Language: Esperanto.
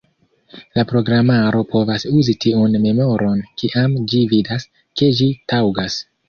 La programaro povas uzi tiun memoron kiam ĝi vidas, ke ĝi taŭgas.